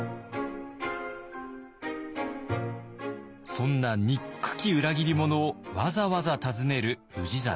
そんな憎き裏切り者をわざわざ訪ねる氏真。